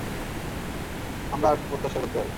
আমরা আর কি প্রত্যাশা করতে পারি?